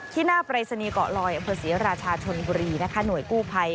ที่หน้าไปรสนีเกาะลอยอัพฤษีราชาชนบุรีหน่วยกู้ภัย